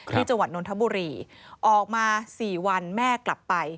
จังหวัดนนทบุรีออกมา๔วันแม่กลับไป